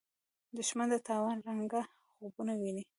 دښمن د تاوان رنګه خوبونه ویني